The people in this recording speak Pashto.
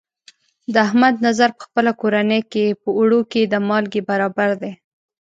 د احمد نظر په خپله کورنۍ کې، په اوړو کې د مالګې برابر دی.